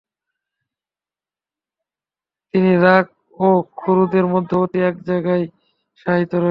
তিনি রাঙ্গ ও খুরুশের মধ্যবর্তী এক জায়গায় শায়িত রয়েছেন।